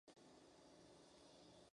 Algunas se propagan vegetativamente.